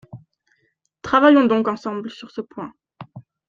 Travaillons donc ensemble sur ce point.